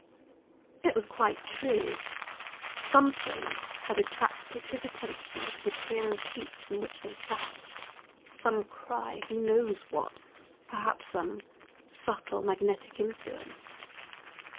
It was quite true. Something had attracted his attention to the tier of seats in which they sat, some cry who knows what? perhaps some subtle magnetic influence.